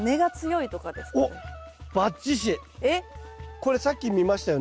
これさっき見ましたよね